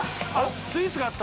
スイーツがあった。